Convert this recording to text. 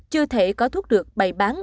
chưa thể có thuốc được bày bán